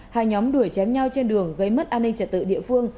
hai nhóm đuổi chém nhau trên đường gây mất an ninh trật tự địa phương